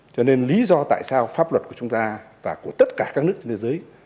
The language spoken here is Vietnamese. cho nên lý do tại sao pháp luật của chúng ta và của tất cả các nước trên thế giới